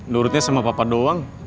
nurutnya sama papa doang